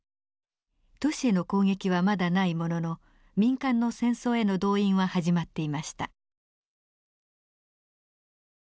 都市への攻撃はまだないものの民間の戦争への動員は始まっていました。